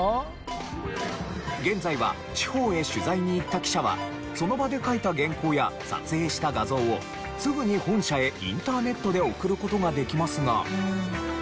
現在は地方へ取材に行った記者はその場で書いた原稿や撮影した画像をすぐに本社へインターネットで送る事ができますが。